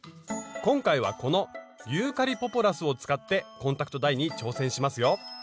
今回はこのユーカリ・ポポラスを使ってコンタクトダイに挑戦しますよ。